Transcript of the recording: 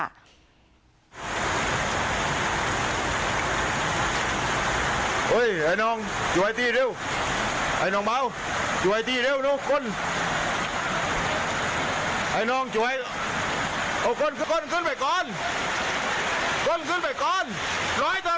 ร้อยตาเบาะสูมด้วยขึ้นไปกร้อนแล้ว